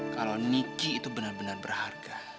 kalau niki itu benar benar berharga